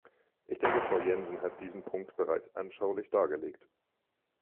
Ich denke, Frau Jensen hat diesen Punkt bereits anschaulich dargelegt.